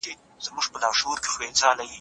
کمپيوټر آرشيف جوړوي.